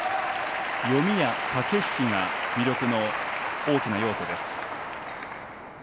読みや駆け引きが魅力の大きな要素です。